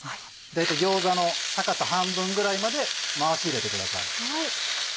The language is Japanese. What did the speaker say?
大体餃子の高さ半分ぐらいまで回し入れてください。